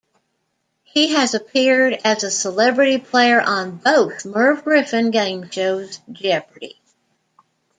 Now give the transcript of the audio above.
He has appeared as a celebrity player on both Merv Griffin game shows Jeopardy!